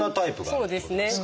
そうですね。